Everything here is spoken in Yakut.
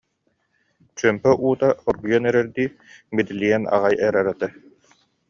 Чүөмпэ уута оргуйан эрэрдии биди- лийэн аҕай эрэр этэ